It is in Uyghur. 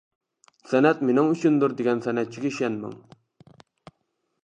سەنئەت مېنىڭ ئۈچۈندۇر دېگەن سەنئەتچىگە ئىشەنمەڭ.